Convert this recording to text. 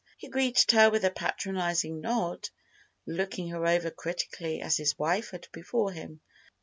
He greeted her with a patronizing nod, looking her over critically, as his wife had before him.